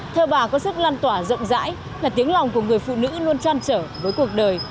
thơ bà có sức lan tỏa rộng rãi là tiếng lòng của người phụ nữ luôn trăn trở với cuộc đời